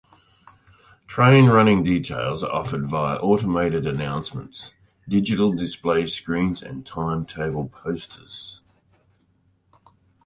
Train running details are offered via automated announcements, digital display screens and timetable posters.